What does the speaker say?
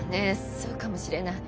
そうかもしれない。